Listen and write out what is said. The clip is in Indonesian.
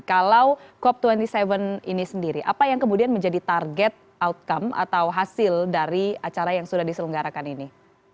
kalau cop dua puluh tujuh ini sendiri apa yang kemudian menjadi target outcome atau hasil dari acara yang sudah diselenggarakan ini